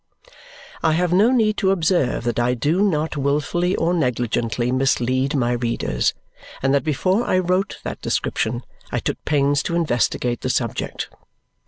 I have no need to observe that I do not wilfully or negligently mislead my readers and that before I wrote that description I took pains to investigate the subject.